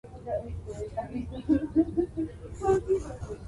Detrás de ellos se encuentra la plaza del mercado de Brujas y unas casas.